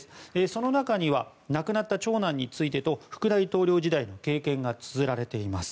その中には亡くなった長男についてと副大統領時代の経験がつづられています。